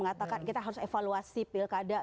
mengatakan kita harus evaluasi pilkada